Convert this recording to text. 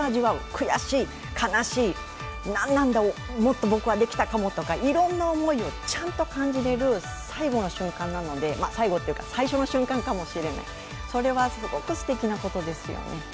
悔しい、悲しい、何なんだ、もっと僕はできたかもとかいろんな思いをちゃんと感じられる最初の瞬間かもしれない、それは、すごくすてきなことですよね。